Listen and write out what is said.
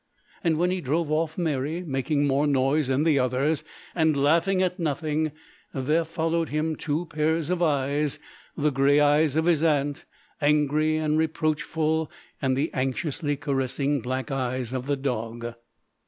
And when he drove off merry, making more noise than the others, and laughing at nothing, there followed him two pairs of eyes: the grey eyes of his aunt, angry and reproachful, and the anxiously caressing black eyes of the dog.